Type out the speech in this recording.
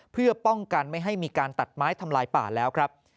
เพื่อป้องกันไม่ให้มีการตัดไม้ทำลายป่าแล้วครับ